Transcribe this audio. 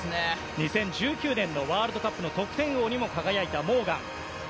２０１９年のワールドカップの得点王にも輝いたモーガン。